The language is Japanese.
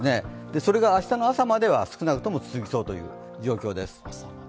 それが明日の朝までは少なくとも続きそうという状況です。